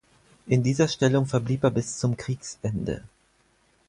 In dieser Stellung verblieb er bis zum Kriegsende.